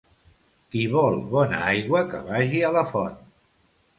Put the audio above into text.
Qui vol bona aigua que vagi a la font.